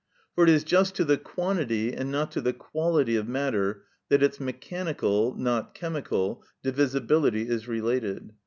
For it is just to the quantity, and not to the quality of matter that its mechanical (not chemical) divisibility is related.